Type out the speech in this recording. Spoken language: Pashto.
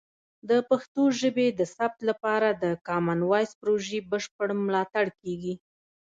د پښتو ژبې د ثبت لپاره د کامن وایس پروژې بشپړ ملاتړ کیږي.